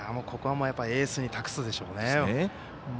ここはもうエースに託すでしょうね。